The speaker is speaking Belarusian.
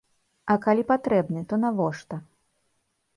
А калі патрэбны, то навошта?